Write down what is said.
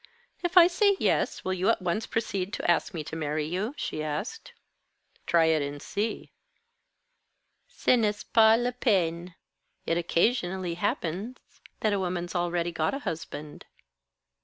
"If I say yes, will you at once proceed to ask me to marry you?" she asked. "Try it and see." "Ce n'est pas la peine. It occasionally happens that a woman's already got a husband."